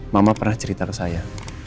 mama pernah cerita ke saya